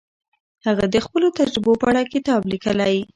هغه د خپلو تجربو په اړه کتاب لیکلی.